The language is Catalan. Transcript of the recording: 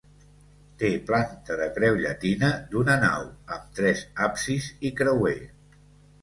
Té planta de creu llatina d'una nau, amb tres absis i creuer.